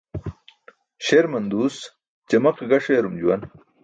Śerman duus ćamaqe gaṣ eerum juwan.